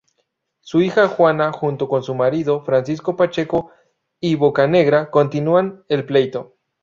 Su hija Juana junto con su marido Francisco Pacheco y Bocanegra continúan el pleito.